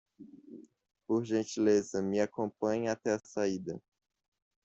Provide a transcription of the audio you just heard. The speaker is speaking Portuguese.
Por gentileza, me acompanhe até a saída.